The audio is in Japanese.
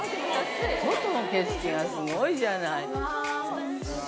外の景色がすごいじゃない。